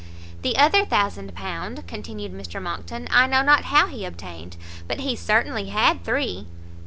"The other £1000," continued Mr Monckton, "I know not how he obtained, but he certainly had three.